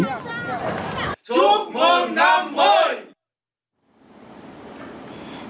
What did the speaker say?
chúc mừng năm mới